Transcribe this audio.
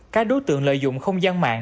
các đối tượng lợi dụng không gian mạng